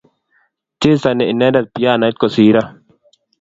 Chezani inendet pianoit kosiiro